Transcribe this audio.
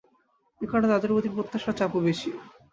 এ কারণে তাঁদের ওপর প্রত্যাশার চাপও বেশি।